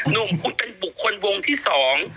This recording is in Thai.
หนุ่มคุณเป็นบุคคลวงที่สอง